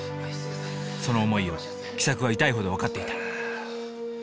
その思いを喜作は痛いほど分かっていた。